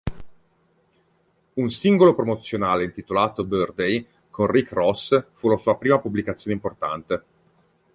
Un singolo promozionale intitolato "Birthday", con Rick Ross, fu la sua prima pubblicazione importante.